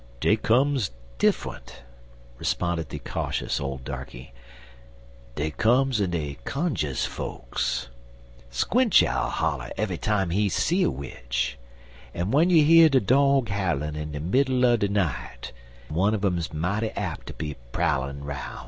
"Dey comes diffunt," responded the cautious old darkey. "Dey comes en dey cunjus fokes. Squinch owl holler eve'y time he see a witch, en w'en you hear de dog howlin' in de middle er de night, one un um's mighty ap' ter be prowlin' 'roun'.